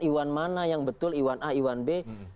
iwan mana yang betul iwan a iwan b